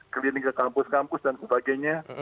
kelilingan kampus kampus dan sebagainya